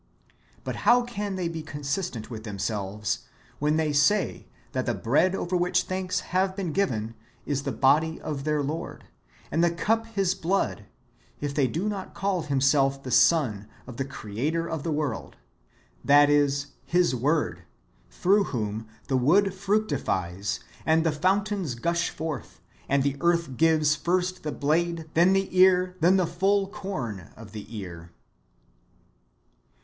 But how can they be con sistent with themselves, [when they say] that the bread over which thanks have been given is the body of their Lord,^ and the cup His blood, if they do not call Himself the Son of the Creator of the world, that is, His Word, through wdiom the wood fructifies, and the fountains gush forth, and the earth gives " first the blade, then the ear, then the full corn in the ear."